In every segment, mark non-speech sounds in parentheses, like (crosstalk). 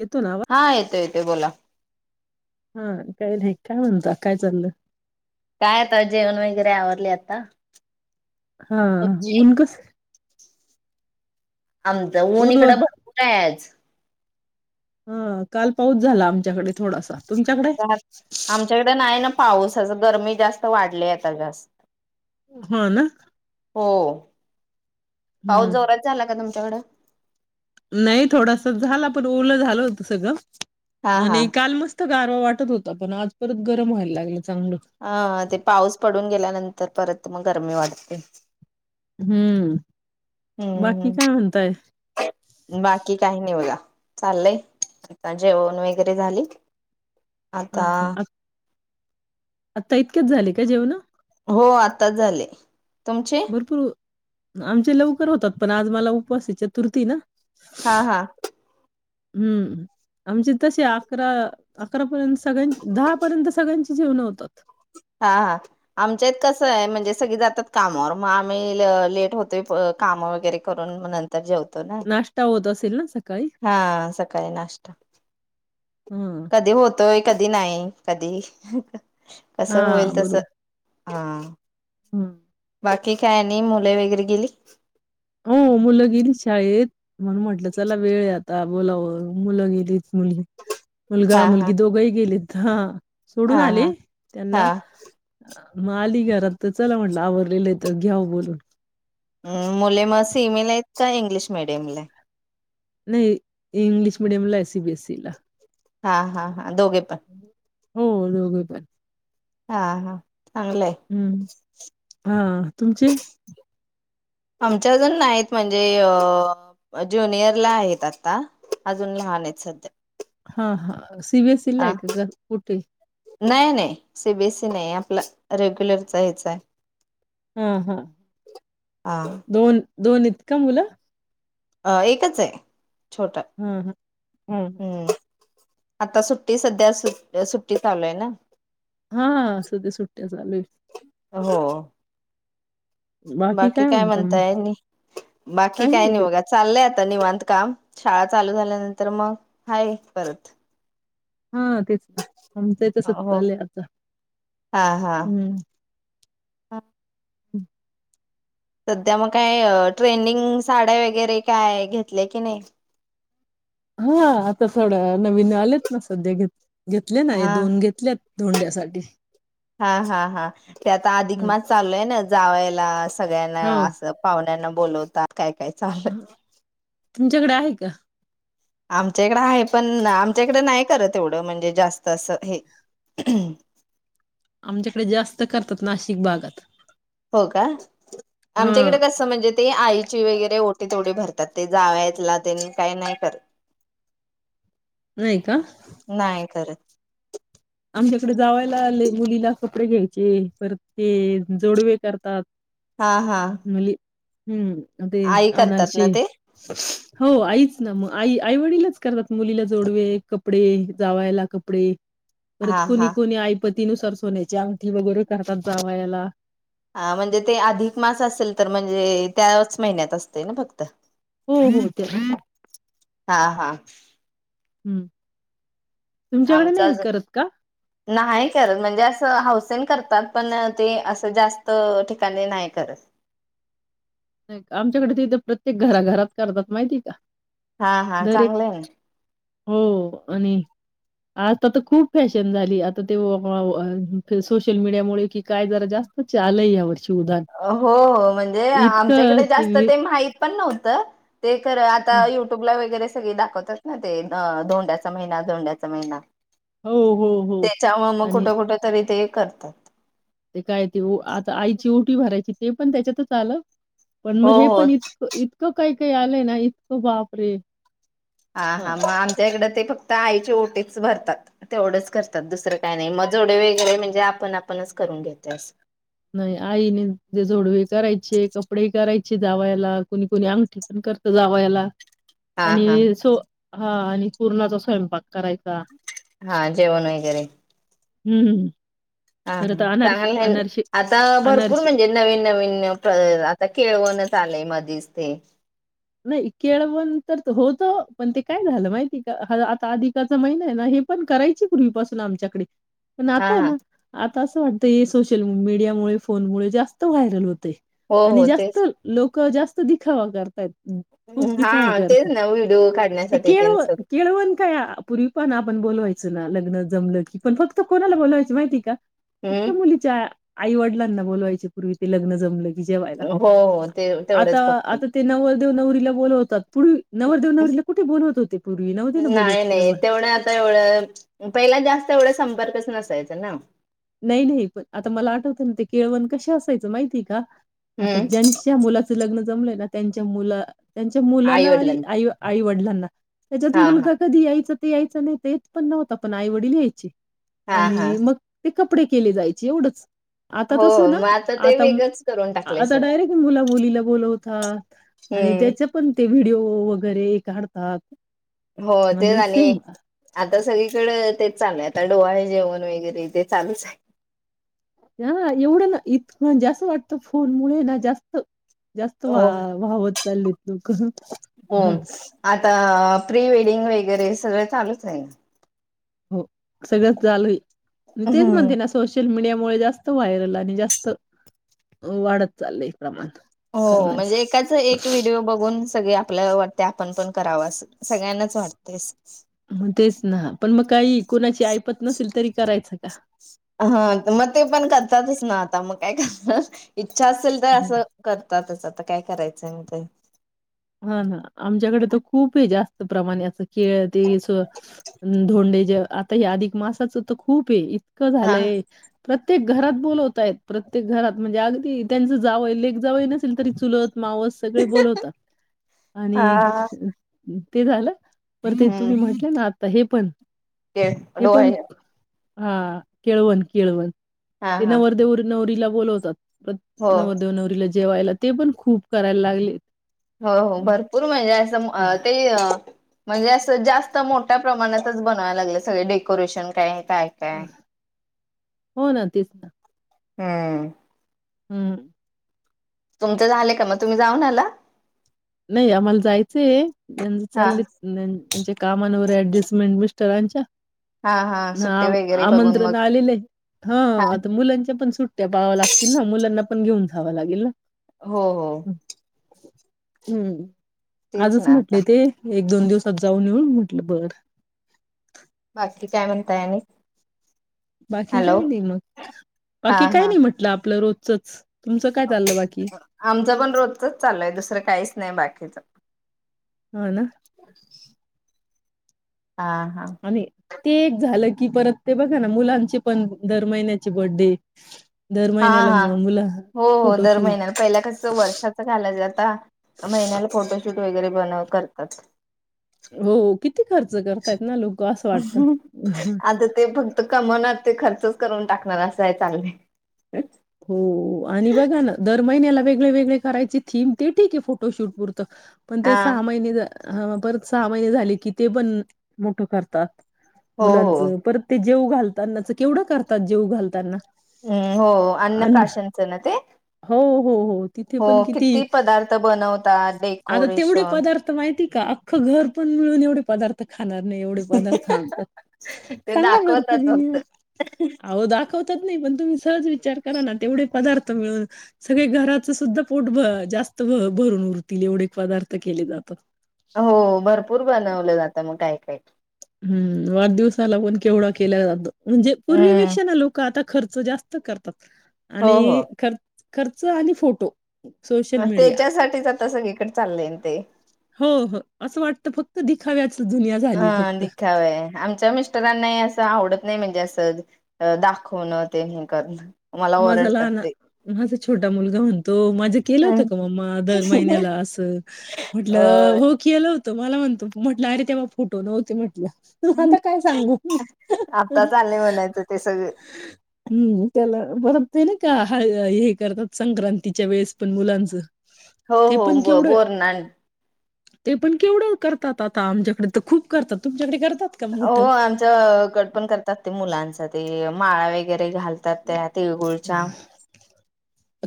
येतो ना आवाज? हा येतोय येत ते बोला हम्म काय नाही काय म्हणता काय चालंय काय आता जेवण वगैरे आवरले आता हा तुमची? ऊन कस आमचं ऊन इकडं भरपूर हाय आज ह काल पाऊस झाला आमच्याकडे थोडासा तुमच्याकडे? राह आमच्याकडे नाही ना. पाऊसाच गरमी जास्त वाढली आता जास्त हो ना हो. पाऊस हम्म जोरात झाला का तुमचा चड नाही थोडासा झाला पण ओल झालं होत सगळं हा हा. आणि काल मस्त गारवा वाटत होता पण आज परत गरम व्हायला लागलं. चांगलं. अ ते पाऊस पडून गेल्यानंतर परत मग गरमी वाढते हम्म हम्म बाकी हम्म काय म्हणताय, चालंय आता जेवण वगैरे झाली. आता आता इतकेच झाले का जेवण. हो आता झाले. तुमचे? भरपूर आमचे लवकर होतात. पण आज मला उपवास हे चतुर्थी ना, हा हा. हम्म आमचे तसे अकरा अकरा पर्यंस सगळ्यांच दहा पर्यंत सगळ्यांच जेवल होत. हा हा आमच्यात कसं हाय म्हणजे सगळी जातात कामावर म आम्ही ल लेट होतोय प काम वगैरे करून म नं, (unintelligible) नाष्टा होत असेल ना, सकाळी? हा सकाळी नाष्टा हां. कधी होतोय कधी नाही कधी कसं होईल तस. हा. हम्म. बाकी काय नई मुलं वगैरे गेली. हो मुलं गेली शाळेत. म्हूणन म्हटलं चला वेळ आता बोलाव मुलं गेलीच मुलगी मुलगा हा हा मुलगी दोघंही गेलेत. हा. सोडून हा आले हा हा त्यांना म अली घरात तर चला म्हंटलं आवरलेलं तर घ्याऊ बोलून. मंग मुले म सेमी ला हेत का इंग्लिश मिडियमला? नाही इंग्लिश मिडियम ला हे सीबीएसई ला हा हा हा. अ दोघे पन हो दोघे पण हा हा. चांगलंय हम्म हा. तुमचे आमच्या अजून नाही क म्हणजे अ ज्युनियरला आहेत आता अजून लहान आहेत सध्या. हा हा. सीबीएसई लाय क ग का कुठे? सीबीएसी नाही आपला रेग्युलरचा ह्याच हे. हा हा दोन दोन हेत का मुलं? अ एकच आहे. छोटा हां, हां. हां. हम्म. आता सुट्टी सध्या सुट सुट्टी चालूय ना, हा सध्या सुट्ट्या चालू. हो. बाकी काय म्हणताय बाकी काही काय नाही बाई. बघा चाललंय आ. आता निवांत काम शाळा चालू झाल्यानंतर मग आहे परत. हा तेच ना आमच ही तसंच हो चालतंय आता हा हम्म. हा. हम्. सध्या मग काय ट्रेंडिंग साड्या वगैरे काय घेतल्या की नाही. हा आता थोडं नवीन आलेत ना सध्या घेत. घेतले नाही हा दोन घेतलेत. धोंड्यासाठी हा हा हा ते आता अधिक हं, मास चालू आहे ना. जावेयला. सगळ्यांना हो. असं पाहुण्याना बोलवता. तुमच्याकडे आहे का. आमच्या इकडं आहे पण आमच्या इकडे नाही करत एवढं म्हणजे जास्त असं हे. आमच्याकडे जास्त करतात नाशिक भागात हो का हां, आमच्याकडे कस म्हणजे ते आईची वगैरेओटी तेवढे भरते. ते जावयाला येत त्यांनी काही नाही करत. नाही का? नाही करत आमच्याकडे जावायला आले मुलीला कपडे घ्यायचे पर ते जोडवे करतात. हा हा. हम्म. अ ते आई करतात ना अनारसे ते हो आईच ना मग आई आईवडीलच करतात. मुलीला जोडवे कपडे जावायला कपडे परत हा कोणी हा कोणी ऐपत ततीनुसार सोन्याच्या आवी वगैरे करतात जावायाला. ह म्हणजे ते अधिक मास असेल तर म्हणजे त्याच महिन्यात असते ना फक्त हो हो ते हा हा हम्म. तुमच्याकडे आमचा नाही अजून करत का. नाही करत म्हणजे असं हाऊसेन करतात पण ते असं जास्त ठिकाणी नाही करत. आमच्याकडे तिथे प्रत्येक घराघरात करतात माहिती का हा हा दर एक चांगले ना हो आणि आजता तर खूप फॅशन झाली आता ते सोशल मीडियामुळे कि काय जरा जास्त आलंय या वर्षी हो हो म्हणजे आम इतकं डे जास्त वि ते मा पण नव्हत ते कर आता हं. युट्यूबला वगैरे सगळे दाखवतात ना ते धोंड्याचा महिना धोंड्याचा महिना हो, हो, हो. त्याच्या मुळेमग आणि कुठं कुठ तरी ते करतात ी भरायची ते पण त्याच्यातच आलं पण मग हो हे हो पण इतकं इतकं काय आले ना इतको वापरे हा हा मग आमच्या इकडे ते फक्त आईचे ओटीच भरतात तेवढंच करतात दुसरं काय नाही मगजेवढे वगैरे म्हणजे आपण आपणच करून घेते अस नाही आईने जे झोडवे करायचे कपडेही करायचे जावायला कुणी कोुणी अंगठी पण करत जावयला हा हा आणि सो हा आणि पूर्णाचा स्वयंपाक करायचा. हा जेवण वगैरे हम्म हा हा चांगलं आता भरपूर अनारसे म्हणजे नवीन नवीन आता खळवण चालेय मधच ते नाही केळवण तर होत पण ते काय झालं माहिती का आता अधिकाचा महिना आहे ना हे पण करायची पूर्वीपासून आमच्याकडे पण हा आताय हा ना आता असं वाटत हे सोशल मीडिया मु फोनमुळे जास्त व्हायरल होत हो आणि हो तेच जास्त लोक जास्त दिखावा करताय हा तेच ना व्हिडिओ काढण्यासाठी ते केळव स केळवण काय पूर्वी पण आपण बोलवायचं ना लग्न जमलं की पण फक्त कोणाला बोलावायच माहिती का फक्त हम्म मुलीच्या आई वडलांना बोलवायचे पूर्वी ते लग्न जमलं की जेवायला. हो हो ते तेवढेच फक्त देवनवरीला बोलत होतात पूर्वी नव्हते ना बोलवत नाही नाही केळवण. तेवढं आता एवढं पहि जास्त एवढं संपर्कच नसायचा ना. नाही नाही पण आता मला आठवतं ना ते केळवण कसे असायचं माहितीय का? आता हम्म ज्यांच्या मुलाचं लग्न. जमलंय ना त्यांच्या मुला त्यांच्या मुलाला आणि आईवडिलां आई आईवडला ह ना. त्याच्यात हा हा मुलगा कधी यायच? ते यायचं नाही, देत पण नव्हता पण आई वडील यायचे. हा हा आणि मग कपडे केले जायचे एवढंच. आता हो तस ना मग ते आता वेगळंच करून टाकलंय आता सगळं डायरेक्ट मुला मुलीला बोलवतात आणि हम्म त्याच पण ते व्हिडिओ वगर (unintelligible) हो, तेच आणि आता सगळीकड ते चालय आता डोवाळे जेवण वगैरे ते चालूच आहे. हा एवढं ना, इत जास्त वाटतं फोन मुळे ना जास्त जास्त वा हो वा्हावत चाललीत हो (unintelligible) ह. आता प्री वेडिंग वगैरे सगळं चालूच आहे. हो सगळंच झालंय. मी तेेच हम्म म्हंणते, ना सोशल मीडिया होय जास्त व्हायरल आणि जास्त, वाढत चालय. हो म्हणजे, एकाच एक व्हिडिओ बघून सगळ्या आपल्या वाटत आपण पण कराव असं‌ सगळ्यांनाच वाटतेस. मग तेच ना पण मग काही, कुणाची ऐपत नसेल, तरी करायचं का? हा, मग ते पण करतातच ना आता मग काय करणार. च्छा असेल, तर असं करतातच आता काय करायचंय (unintelligible) हा, ना आमच्याकडे तर खूप हे जास्त. प्रमाणे केळ ते, धोंडे ज आता हे अधिक मासाचं तर खूप हे. हा. झालंय प्रत्य प्रत्येक घरात बोलवतयत, प्रत्येक घरात म्हणजे, अगदी त्यांचं जावंय लेक जावं नसेल तरी चुलत मावस सगळे बोलवतात. आणि. हा. ते झालं. बर ते तुमी म्हटले ना. आता हे पण तेडो आहे हा केळवण केळवन हा येन हा वर्देवरनवरिला बोलवतात हो नव देव नवलाज जेवायला ते पण खूप करायला लागले हो हो भरपूर म्हणजे असं ते म्हणजे असं जास्त मोठ्या प्रमाणातच बनवाय लागलं सगळे डेकोरेशन काय काय काय. हो ना तेच ना हुं हू तुमचं झाले का मग तुम्ही जाऊन आला? नाही आम्हाला जायचंय यांच हा चाकेत याच्या कामंवर ऍडजस्टमेंट मी मिस्टराच्या हा हा ना सुट्टी वगैरे बघून मग आमंत्रण आलेलं आहे हा आता मुलांच्या पण सुट्या पहाव्या लागतील ना मुलांना पण घेऊन जावं लागेल ना? हो हो हुं तेच आजच ना आता म्हटले ते एक दोन दिवसात जाऊन येऊ म्हटलं बर. बाकी काय म्हणताय आणि? बाकी हॅलो काही नाही मग बाकी काही नाही म्हटलं आपलं रोज चचं आमच पण रोजचच चालू आहे दुसरं काहीच नाही बाकीच हा ना (inaudible) हा हा आणि ते एक झालं की परत ते बघा ना मुलांचे पण दर महिन्याचे बडे हा, हा, हो, हो दर फोटोशूट महिन्याला पहिल्या कस वर्षाच घालायचं आता महिन्याला फोटोशूट वगैरे बनव करतात हो किती किती खर्च करतायत ना लोक असं वाटत आता ते फक्त कमवणार ते खर्चच करून टाकणार असं आहे चाललंय हो आणि बघा ना दर महिन्याला वेगळेवेगळे करायचे थीम ते ठीक आहे फोटोशूट पुरत पण ते हा सहा महिने हा परत सहा महिने झाले की ते पण मोठं करतात. हो मुलांच हो परत ते जेवू घालतानाच केवढं करतात जेवू घालताना. हुं हो अन्न अन् प्राशंनच ना ते हो, हो हो तिथे हो पण किती पदार्थ बनवतात आता तेवढे डेकोरेशन पदार्थ माहिती का अख्ख घर पण मिळून एवढे पदार्थ खाणार नाही एवढे पदार्थ आणतात ते सांगा बर दाखवतात तुम्ही फक्त आहो दाखवतात नाही पण तुम्ही सज विचार करा ना तेवढे पदार्थ मिळून सगळे घराच सुद्धा पोटभ जास्त भरून उरतील एवढे पदार्थ केले जात हो भरपूर बनवलं जातं मग काय थँक्यू हम् वाढदिवसाला पण केवढा केल्या जातो म्हणजे हम्म पूर्वीपेक्षा ना लोक आता खर्च जास्त करतात हो आणि खर खर्च आणि फोटो सोशल मीडिया त्याच्यासाठीठीच आता सगळे इकडे चालले ते हो हो असं वाटत फक्त दिखा्याच अं दिखाव आमच्या मिस्टरांना असं आवडत नाही म्हणजे असं दाखवणं ते नाही करणं मला माझा ओरडतात लहान ते माझा छोटा मुलगा म्हणतो माझं केलं होत का मम्मा दर महिन्याला असं म्हटलं अ हो केलं होत मला म्हणतो म्हटलं अरे तेव्हा फोटो नव्हते म्हटलं आता काय सांगू आत्ताच आले म्हणायचं ते सगळे हम्म त्याला पररत ते ना काा हे करतात संक्रांतीच्या वेळेस पण मुलांचं हो ते हो पण ब केवढं बोर ना ते पण केवढं करतात आता आमच्याकडे तर खूप करतात तुमच्याकडे करात हो आमच्या कड पण करतात ते मुलांच ते माळा वगैरे न. घालतात त्या तळगुळच्या.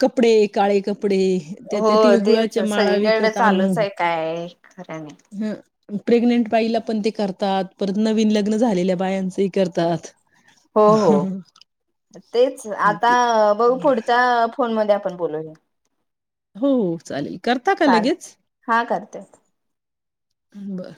कपडे काळे कप हो तेच सगळीकड विकत चालूच आणून आहे काय. खरा नाही. हं, प्रेग्नेंट बाईला पण ते करतात परत नवीन लग्न झालेल्या बायांचही करतात. हो हो तेच आता आ बघु अ पुढच्या फोन मध्ये आपण. पण बोलूया. हो चालेल. करता का चाल लगेच. हा करते. बर.